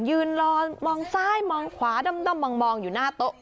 ยืนรอมองซ้ายมองขวาด้อมมองอยู่หน้าโต๊ะ